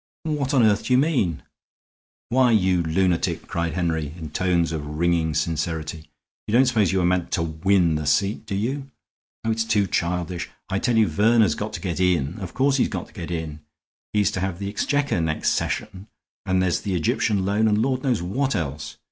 "What on earth do you mean?" "Why, you lunatic," cried Henry, in tones of ringing sincerity, "you don't suppose you were meant to win the seat, did you? Oh, it's too childish! I tell you Verner's got to get in. Of course he's got to get in. He's to have the Exchequer next session, and there's the Egyptian loan and Lord knows what else.